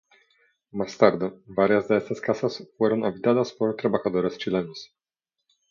Más tarde, varias de estas casas fueron habitadas por trabajadores chilenos.